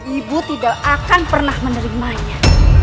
ibu tidak akan pernah menerimanya